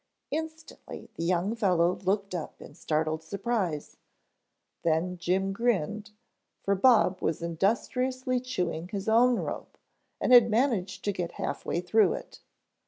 Instantly the young fellow looked up in startled surprise, then Jim grinned, for Bob was industriously chewing his own rope and had managed to get half way through it.